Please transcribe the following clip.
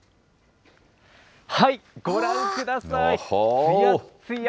ご覧ください。